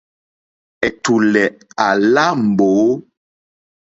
Ɛ̀tùlɛ̀ à lá mbǒ.